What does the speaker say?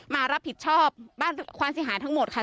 มารับผิดชอบบ้านความเสียหายทั้งหมดค่ะ